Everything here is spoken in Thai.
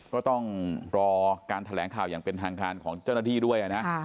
ก็ต้องรอการแถลงข่าวอย่างเป็นทางการของเจ้าหน้าที่ด้วยนะ